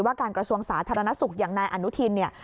การกระทรวงสาธารณสุขอย่างนายอนุทินเนี่ย